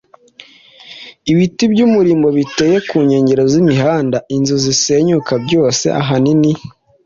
ibiti by’umurimbo biteye ku nkengero z’imihanda, inzu zisenyuka, byose ahanini